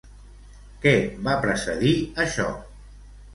Què va precedir, això?